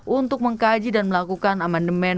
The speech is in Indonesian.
untuk mengkaji dan melakukan amandemen